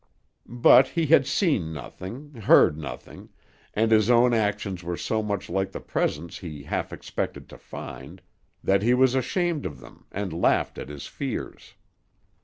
But he had seen nothing, heard nothing, and his own actions were so much like the presence he half expected to find, that he was ashamed of them, and laughed at his fears.